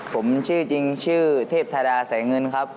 ผมชื่อจริงชื่อเทพธราแสงื้อนครับ